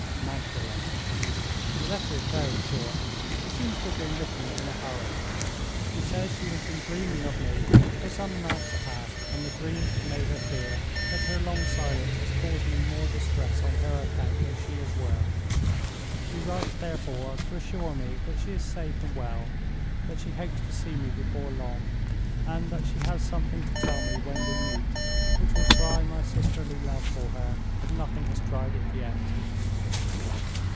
—Magdalen! "The letter is very short; it seems to have been written in a hurry. She says she has been dreaming of me for some nights past, and the dreams have made her fear that her long silence has caused me more distress on her account than she is worth. She writes, therefore, to assure me that she is safe and well—that she hopes to see me before long—and that she has something to tell me, when we meet, which will try my sisterly love for her as nothing has tried it yet.